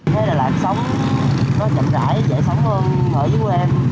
thế đà lạt sống nó chậm rãi dễ sống hơn ở dưới quê em